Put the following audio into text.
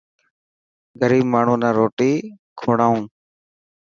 غريب ماڻهون نا روٽي کوڙائون.